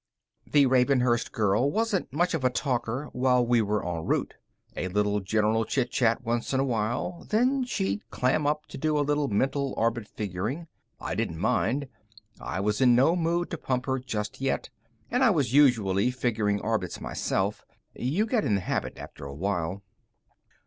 The Ravenhurst girl wasn't much of a talker while we were en route. A little general chitchat once in a while, then she'd clam up to do a little mental orbit figuring. I didn't mind. I was in no mood to pump her just yet, and I was usually figuring orbits myself. You get in the habit after a while.